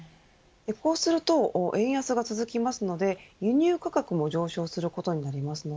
こうすると円安が続きますので輸入価格も上昇することなります。